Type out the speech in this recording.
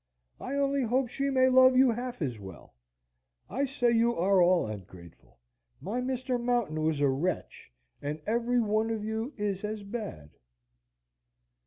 I only hope she may love you half as well. I say you are all ungrateful. My Mr. Mountain was a wretch, and every one of you is as bad."